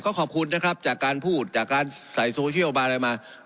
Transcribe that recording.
ก็ขอบคุณนะครับจากการพูดจากการใส่โซเชียลมาอะไรมา